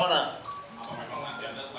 sandra masih ada